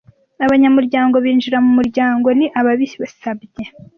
Abanyamuryango binjira mu muryango ni ababisabye